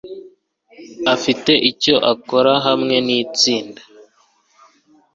Afite icyo akora hamwe nitsinda